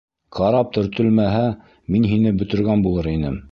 Карап төртөлмәһә, мин һине бөтөргән булыр инем.